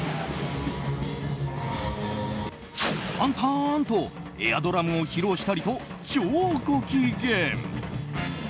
タンターンとエアドラムを披露したりと超ご機嫌。